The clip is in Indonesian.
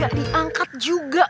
gak diangkat juga